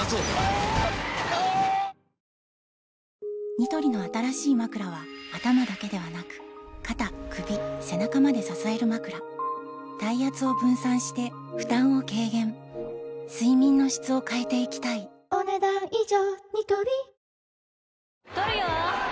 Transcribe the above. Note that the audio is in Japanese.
ニトリの新しいまくらは頭だけではなく肩・首・背中まで支えるまくら体圧を分散して負担を軽減睡眠の質を変えていきたいお、ねだん以上。